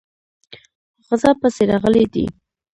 غزا پسې راغلی دی.